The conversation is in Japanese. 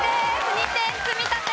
２点積み立て。